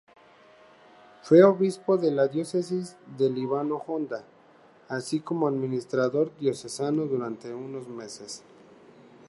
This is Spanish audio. Fue Obispo de la Diócesis de Líbano-Honda, así como Administrador Diocesano durante unos meses.